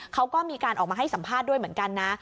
เขาก็มีการออกมาให้สัมภาษณ์ด้วยเหมือนกันนะ